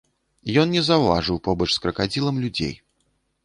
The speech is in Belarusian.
Ён не заўважыў побач з кракадзілам людзей.